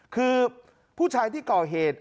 คือผู้ชายที่ก่อเหตุ